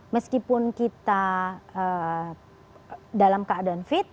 meskipun kita dalam keadaan fit